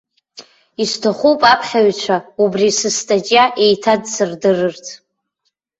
Исҭахуп аԥхьаҩцәа убри сыстатиа еиҭадсырдырырц.